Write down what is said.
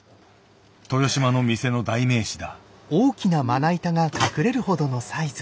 豊島の店の代名詞だ。